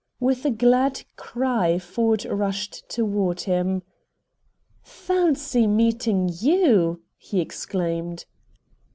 With a glad cry Ford rushed toward him. "Fancy meeting YOU!" he exclaimed.